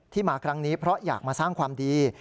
มาครั้งนี้เพราะอยากมาสร้างความดี